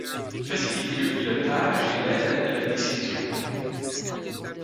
Faciliter le pilotage et l'aide à la décision.